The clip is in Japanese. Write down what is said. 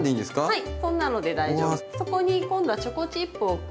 はい！